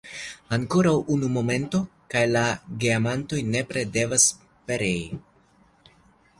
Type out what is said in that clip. Ankoraŭ unu momento, kaj la geamantoj nepre devas perei!